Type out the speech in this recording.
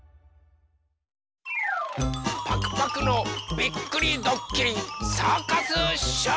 パクパクのびっくりどっきりサーカスショー！